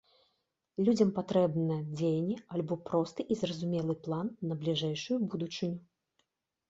Людзям патрэбна дзеянне альбо просты і зразумелы план на бліжэйшую будучыню.